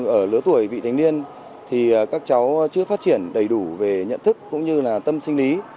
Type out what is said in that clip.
ở lứa tuổi vị thành niên thì các cháu chưa phát triển đầy đủ về nhận thức cũng như là tâm sinh lý